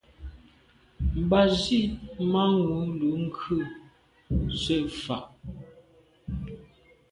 Mba zit manwù lo ghù se fà’.